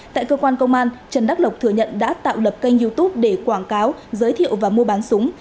tại cơ quan công an trần đắc lộc thừa nhận đã tạo lập kênh youtube để quảng cáo giới thiệu và mua bán súng